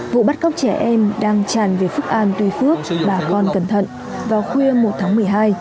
vụ bắt cóc trẻ em đang tràn về phúc an tuy phước bà con cẩn thận vào khuya một tháng một mươi hai